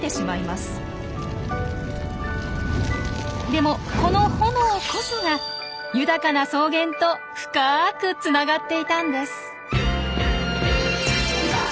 でもこの炎こそが豊かな草原と深くつながっていたんです。